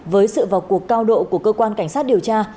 với sự vào cuộc cao độ của cơ quan cảnh sát điều tra